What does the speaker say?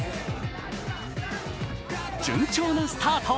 順調なスタート。